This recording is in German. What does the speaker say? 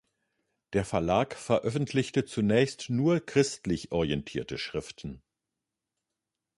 Der Verlag veröffentlichte zunächst nur christlich orientierte Schriften.